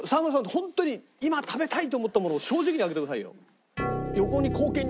ホントに今食べたいと思ったものを正直に上げてくださいよ。